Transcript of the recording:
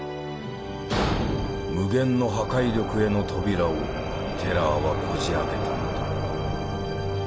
無限の破壊力への扉をテラーはこじあけたのだ。